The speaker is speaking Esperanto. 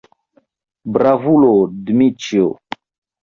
Bravulo, Dmiĉjo!